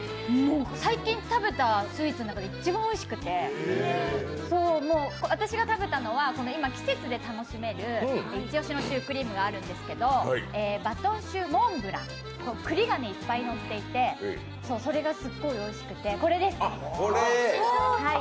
最近食べたスイーツの中で一番おいしくて、私が食べたのは、今、季節で楽しめる一押しのシュークリームがあるんですけどバトンシューモンブラン、栗がいっぱいのっていて、それがすっごいおいしくて、これです！